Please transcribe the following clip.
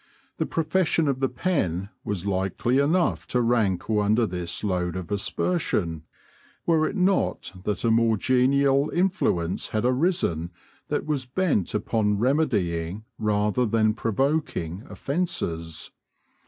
The profession of the pen was likely enough to rankle under this load of aspersion, were it not that a more genial influence had arisen that was bent upon remedying rather than provoking offences.